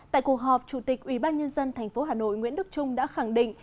tại cuộc họp chủ tịch ủy ban nhân dân thành phố hà nội nguyễn đức trung đã khẳng định